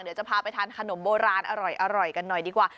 เดี๋ยวจะพาไปทานขนมโบราณอร่อยกันหน่อยดีกว่า